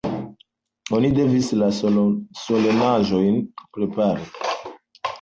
Oni devis la solenaĵojn prepari.